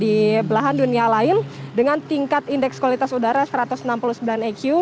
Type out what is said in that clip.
di belahan dunia lain dengan tingkat indeks kualitas udara satu ratus enam puluh sembilan eq